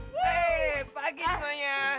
hei pagi semuanya